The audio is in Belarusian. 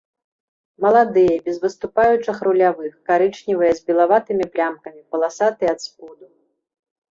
Маладыя без выступаючых рулявых, карычневыя з белаватымі плямкі, паласатыя ад споду.